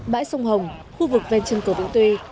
bãi sông hồng khu vực ven chân cầu vũng tuy